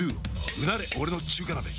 うなれ俺の中華鍋！